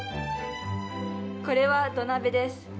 これは土鍋です。